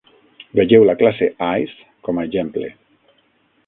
Vegeu la classe Ice com a exemple.